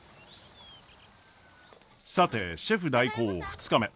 さてシェフ代行２日目。